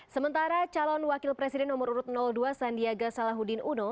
sementara calon wakil presiden nomor urut dua sandiaga salahuddin uno